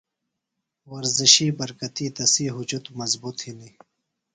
ورزشی برکتی تسی ہُجُت مضبوط ہِنیۡ۔